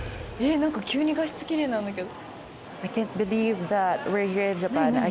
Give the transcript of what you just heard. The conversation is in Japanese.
なんか、急に画質きれいなんだけど。